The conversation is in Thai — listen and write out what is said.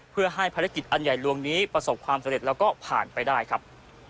เพื่อให้ภารกิจอันใหญ่ลวงนี้ประสบความสำเร็จแล้วก็ผ่านไปได้ครับ